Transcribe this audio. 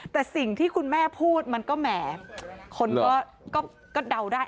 แต่สิ่งที่คุณแม่พูดมันก็แหมคนก็เดาได้